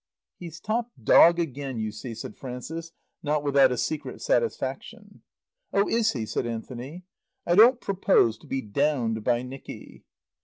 "He's top dog again, you see," said Frances, not without a secret satisfaction. "Oh, is he?" said Anthony. "I don't propose to be downed by Nicky."